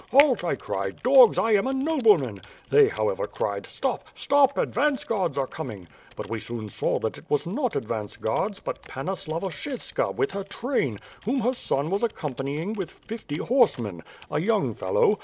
'Halt,' I cried, 'Dogs, I am a nobleman.' They, however, cried, *Stop, stop! advance guards are coming.' But we soon saw that it was not advance guards, but Panna Slavoshevska with her train, whom her son was accompanying with fifty horsemen. A young fellow.